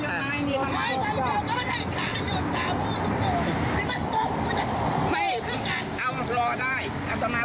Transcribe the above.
เดี๋ยวเดี๋ยวให้เราไปยินมา